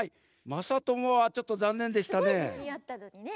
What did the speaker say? まさともはちょっとざんねんでしたね。